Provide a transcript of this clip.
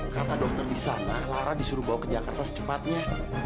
kata dokter disana lara disuruh bawa ke jakarta secepatnya